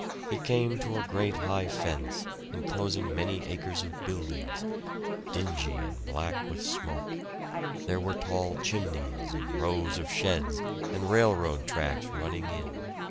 He came to a great high fence, inclosing many acres of buildings, dingy and black with smoke; there were tall chimneys, and rows of sheds, and railroad tracks running in.